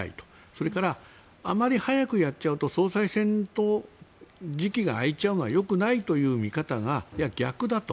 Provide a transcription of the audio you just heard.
それからあまり早くやっちゃうと総裁選と時期が空いちゃうのはよくないという見方がいや、逆だと。